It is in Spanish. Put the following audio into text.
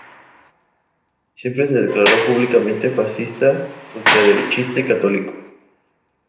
Siempre se declaró públicamente fascista, ultraderechista y católico.